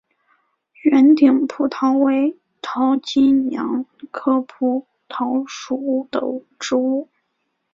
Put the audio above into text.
圆顶蒲桃为桃金娘科蒲桃属的植物。